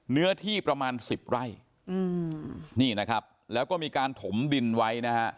เนื้อที่ประมาณสิบไร่อืมนี่นะครับแล้วก็มีการถมดินไว้นะฮะ